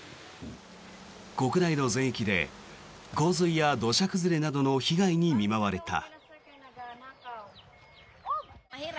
国内の全域で洪水や土砂崩れなどの被害に見舞われた。